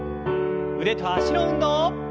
腕と脚の運動。